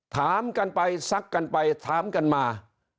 ถามกันไปซักกันไปถามกันมา